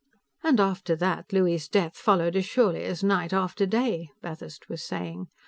"And, after that, Louis's death followed as surely as night after day," Bathurst was saying.